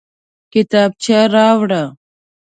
کتابچه راوړه